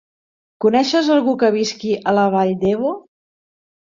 Coneixes algú que visqui a la Vall d'Ebo?